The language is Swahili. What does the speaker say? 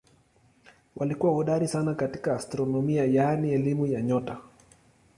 Walikuwa hodari sana katika astronomia yaani elimu ya nyota.